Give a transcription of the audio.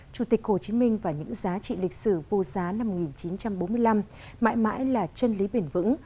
chủ tịch hồ chí minh và những giá trị lịch sử vô giá năm một nghìn chín trăm bốn mươi năm mãi mãi là chân lý bền vững